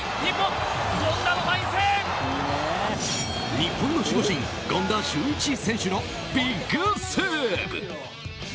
日本の守護神・権田修一選手のビッグセーブ！